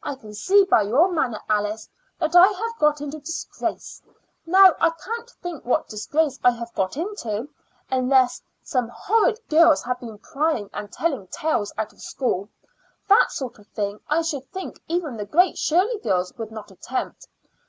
I can see by your manner, Alice, that I have got into disgrace. Now, I can't think what disgrace I have got into, unless some horrid girls have been prying and telling tales out of school. That sort of thing I should think even the Great Shirley girls would not attempt.